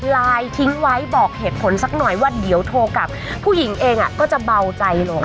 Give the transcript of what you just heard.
ทิ้งไว้บอกเหตุผลสักหน่อยว่าเดี๋ยวโทรกลับผู้หญิงเองก็จะเบาใจลง